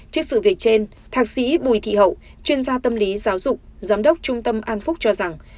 trước sự việc trên thạc sĩ bùi thị hậu chuyên gia tâm lý giáo dục giám đốc trung tâm an phúc cho rằng